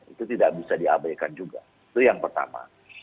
itu tidak bisa diabaikan juga itu yang pertama